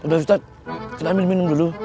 udah ustadz kita ambil minum dulu